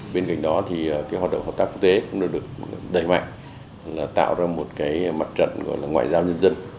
bên cạnh đó thì cái hoạt động hợp tác quốc tế cũng đã được đẩy mạnh là tạo ra một cái mặt trận gọi là ngoại giao nhân dân